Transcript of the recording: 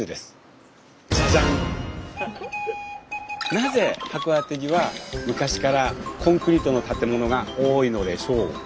なぜ函館には昔からコンクリートの建物が多いのでしょうか？